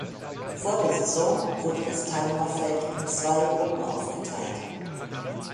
Vor der Saison wurde das Teilnehmerfeld in zwei Gruppen aufgeteilt.